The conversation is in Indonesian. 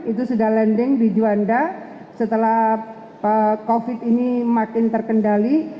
tujuh ratus tujuh puluh tujuh itu sudah landing di juanda setelah covid ini makin terkendali